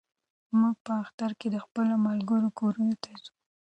موږ په اختر کې د خپلو ملګرو کورونو ته ځو.